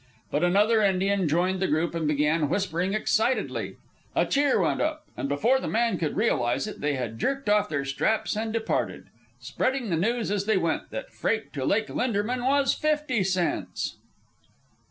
But another Indian joined the group and began whispering excitedly. A cheer went up, and before the man could realize it they had jerked off their straps and departed, spreading the news as they went that freight to Lake Linderman was fifty cents.